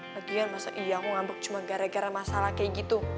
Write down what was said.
lagian masa iya aku ngambek cuma gara gara masalah kayak gitu